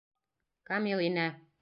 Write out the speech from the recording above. Камил инә.